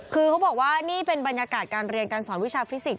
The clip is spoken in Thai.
คือเขาบอกว่านี่เป็นบรรยากาศการเรียนการสอนวิชาฟิสิกส